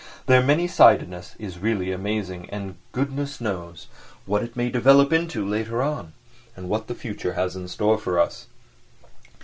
Their many sidedness is really amazing, and goodness knows what it may develop into later on, and what the future has in store for us.